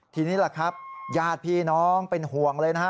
ทีนี้ญาติพี่น้องเป็นห่วงเลย